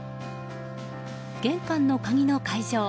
玄関の鍵の解錠